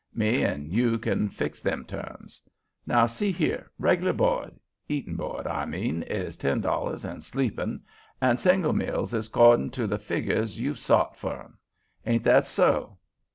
Me 'n' you can fix them terms. Now see here, reg'lar bo'd—eatin' bo'd, I mean—is ten dollars, an' sleepin' and singuil meals is 'cordin' to the figgers you've sot for 'em. Ain't that so?